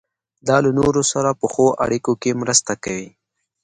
دا له نورو سره په ښو اړیکو کې مرسته کوي.